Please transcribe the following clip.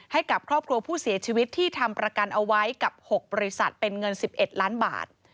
ให้กับครอบครัวผู้เสียชีวิตที่ทำประกันเอาไว้กับ๖บริษัทเป็นเงิน๑๑ล้านบาท